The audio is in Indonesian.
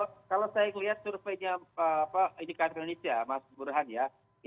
jadi kalau saya melihat keamanan pak tirudin mau ikatnya ini stravato sebagai apa nama